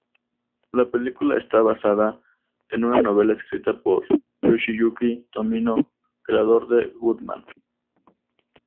La película está basada en una novela escrita por Yoshiyuki Tomino, creador de Gundam.